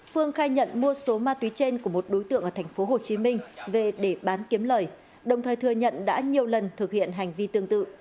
phương khai nhận mua số ma túy trên của một đối tượng ở tp hcm về để bán kiếm lời đồng thời thừa nhận đã nhiều lần thực hiện hành vi tương tự